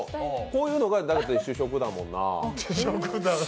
こういうのが、だって主食だもんなあ。